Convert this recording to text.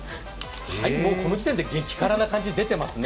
もうこの時点で激辛な感じが出ていますね。